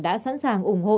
đã sẵn sàng ủng hộ